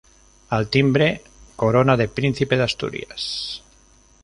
Al timbre corona de Príncipe de Asturias.